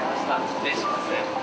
失礼します。